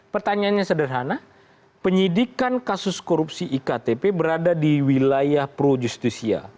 pertanyaannya sederhana penyidikan kasus korupsi iktp berada di wilayah pro justisia